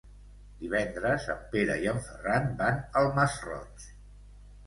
Divendres en Pere i en Ferran van al Masroig.